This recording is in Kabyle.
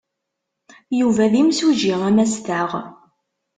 Yuba d imsujji amastaɣ.